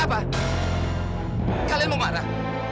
apa kalian mau marah